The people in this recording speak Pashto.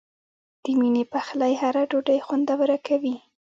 د مینې پخلی هره ډوډۍ خوندوره کوي.